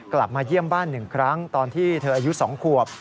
กลับมาเยี่ยมบ้าน๑ครั้งตอนที่เธออายุ๒ขวบ